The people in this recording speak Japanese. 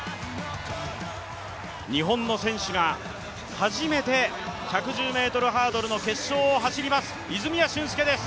日本の選手が初めて１１０ｍハードルの決勝を走ります、泉谷駿介です。